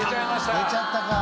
出ちゃったか。